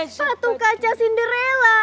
sepatu kaca cinderella